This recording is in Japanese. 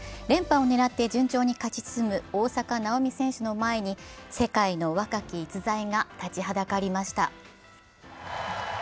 連覇を狙って順調に勝ち進む大坂なおみ選手の前に、世界の若き逸材が立ちはだかりました。